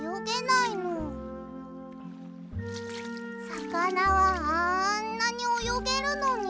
さかなはあんなにおよげるのに。